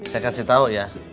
saya kasih tahu ya